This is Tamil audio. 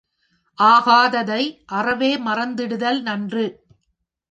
ஆகாததை அறவே மறந்திடுதல் நன்று.